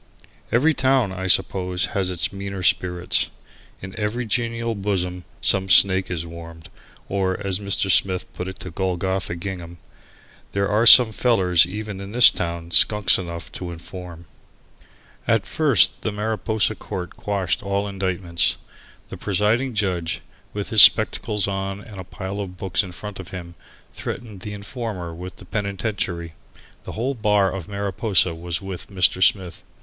Every town, I suppose, has its meaner spirits. In every genial bosom some snake is warmed, or, as Mr. Smith put it to Golgotha Gingham "there are some fellers even in this town skunks enough to inform." At first the Mariposa court quashed all indictments. The presiding judge, with his spectacles on and a pile of books in front of him, threatened the informer with the penitentiary. The whole bar of Mariposa was with Mr. Smith.